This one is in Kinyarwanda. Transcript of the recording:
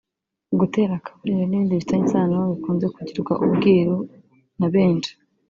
gutera akabariro n’ibindi bifitanye isano bikunze kugirwa ubwiru na benshi